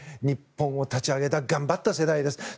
日本を立ち上げた頑張った世代です。